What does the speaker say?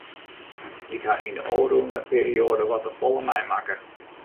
Ik ha yn de ôfrûne perioade wat te folle meimakke.